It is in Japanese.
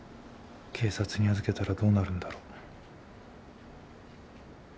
警察に預けたらどうなるんだろ？